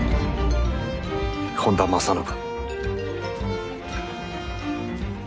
本多正信。